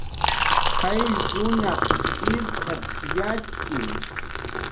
"Qayllkunaq irt""ap"" yatxki"